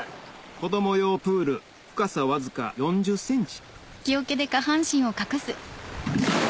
子供用プール深さわずか４０ｃｍ